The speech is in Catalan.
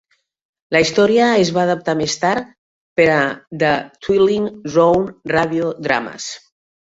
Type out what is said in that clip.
La història es va adaptar més tard per a "The Twilight Zone Radio Dramas".